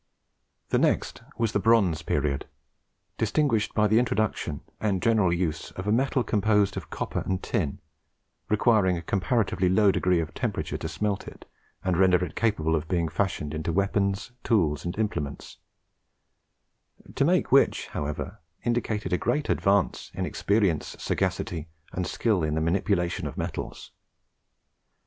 The next was the Bronze period, distinguished by the introduction and general use of a metal composed of copper and tin, requiring a comparatively low degree of temperature to smelt it, and render it capable of being fashioned into weapons, tools, and implements; to make which, however, indicated a great advance in experience, sagacity, and skill in the manipulation of metals.